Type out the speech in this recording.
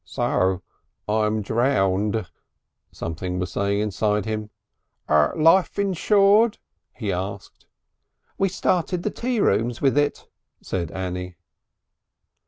"So I'm drowned," something was saying inside him. "Life insured?" he asked. "We started the tea rooms with it," said Annie.